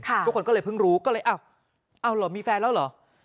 ทุกคนก็เลยเพิ่งรู้ก็เลยอ้าวเหรอมีแฟนแล้วเหรอ